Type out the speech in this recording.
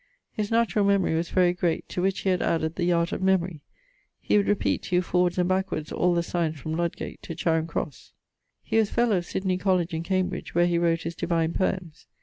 His naturall memorie was very great, to which he had added the art of memorie: he would repeate to you forwards and backwards all the signes from Ludgate to Charing crosse. He was fellow of Sydney College in Cambridge, where he wrote his Divine Poemes.